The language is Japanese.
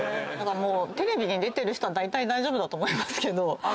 テレビに出てる人はだいたい大丈夫だと思いますけど。